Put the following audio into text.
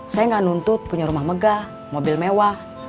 saya nggak nuntut punya rumah megah mobil mewah